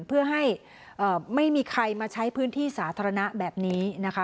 เพื่อให้ไม่มีใครมาใช้พื้นที่สาธารณะแบบนี้นะคะ